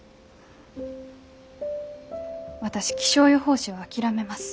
私気象予報士は諦めます。